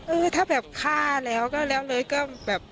เออถ้าแบบฆ่าแล้วก็แล้วเลยก็แบบ